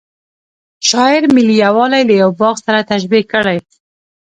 شاعر ملي یوالی له یوه باغ سره تشبه کړی.